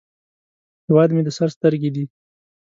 هیواد مې د سر سترګې دي